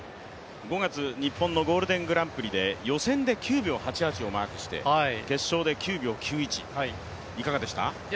５月、日本のゴールデングランプリで予選で９秒８８をマークして決勝で９秒９１、いかがでした？